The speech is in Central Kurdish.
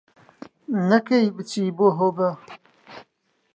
نەکەی بچی بۆ هۆبە